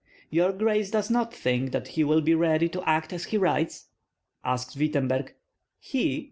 "Your grace does not think that he will be ready to act as he writes?" asked Wittemberg. "He?"